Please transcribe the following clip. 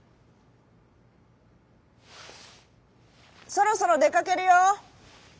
「そろそろでかけるよ」。